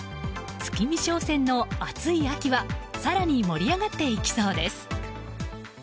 月見商戦の熱い秋は更に盛り上がっていきそうです。